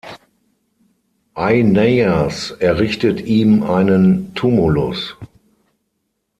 Aineias errichtet ihm einen Tumulus.